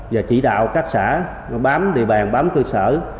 và chỉ đạo các xã bám địa bàn bám cơ sở